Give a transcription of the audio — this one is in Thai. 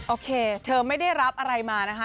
โอเคเธอไม่ได้รับอะไรมานะคะ